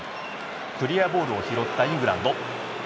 クリアボールを拾ったイングランド。